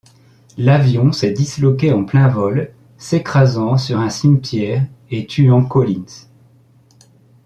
L'avion s'est disloqué en plein vol, s'écrasant sur un cimetière et tuant Collins.